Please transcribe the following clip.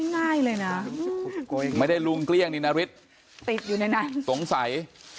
ง่ายเลยนะไม่ได้ลุงเกลี้ยงนี่นาริสติดอยู่ในนั้นสงสัย